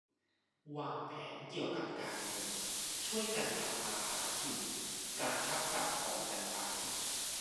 วางแผนเกี่ยวกับการเงิน ช่วยกันทำมาหากิน ประคับประคองกันไป